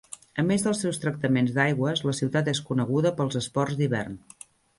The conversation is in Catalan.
A més dels seus tractaments d"aigües, la ciutat és coneguda pels esports d'hivern.